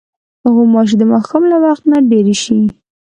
غوماشې د ماښام له وخت نه ډېرې شي.